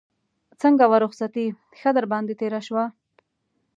څنګه وه رخصتي ښه در باندې تېره شوه.